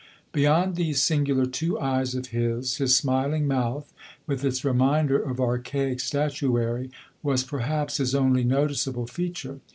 Beyond these singular two eyes of his, his smiling mouth, with its reminder of archaic statuary, was perhaps his only noticeable feature.